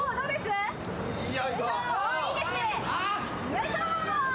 よいしょ。